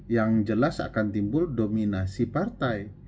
yang jelas akan timbul dominasi partai